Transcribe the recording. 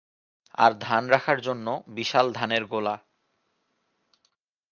আর ধান রাখার জন্য বিশাল ধানের গোলা।